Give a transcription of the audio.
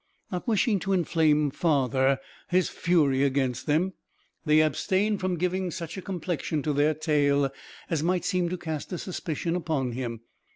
Not wishing to inflame farther his fury against them, they abstained from giving such a complexion to their tale as might seem to cast a suspicion upon him.